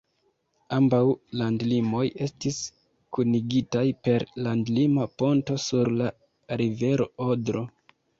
Ambaŭ landlimoj estis kunigitaj per landlima ponto sur la rivero Odro.